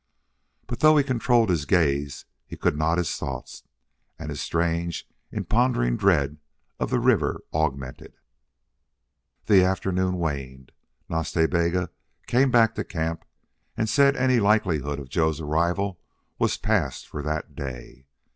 But, though he controlled his gaze, he could not his thought, and his strange, impondering dread of the river augmented. The afternoon waned. Nas Ta Bega came back to camp and said any likelihood of Joe's arrival was past for that day.